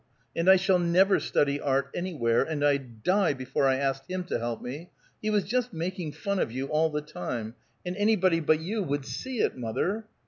And I shall never study art anywhere. And I'd die before I asked him to help me. He was just making fun of you all the time, and anybody but you would see it, mother!